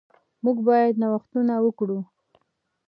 موږ باید نوښتونه وکړو.